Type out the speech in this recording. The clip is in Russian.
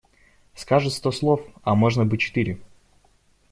Скажет сто слов, а можно бы четыре.